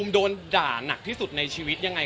โดนด่าหนักที่สุดในชีวิตยังไง